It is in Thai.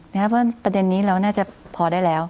เพราะประเด็นนี้เราน่าจะพอได้แล้ว